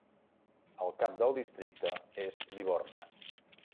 El cap del districte és Liborna.